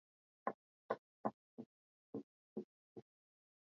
Chemichemi Chanzo cha mto mara nyingi ni chemchemi au maungano ya vijito vidogo